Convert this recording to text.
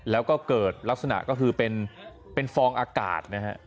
แล้วก็เกิดลักษณะก็คือเป็นฟองอากาศนะฮะ